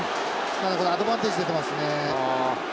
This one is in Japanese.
ただこれアドバンテージ出てますね。